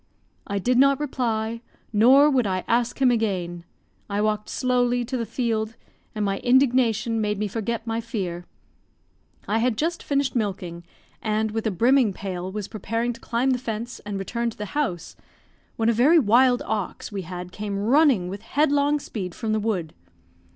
I did not reply, nor would I ask him again. I walked slowly to the field, and my indignation made me forget my fear. I had just finished milking, and with a brimming pail was preparing to climb the fence and return to the house, when a very wild ox we had came running with headlong speed from the wood.